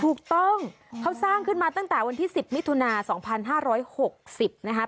ถูกต้องเขาสร้างขึ้นมาตั้งแต่วันที่๑๐มิถุนา๒๕๖๐นะคะ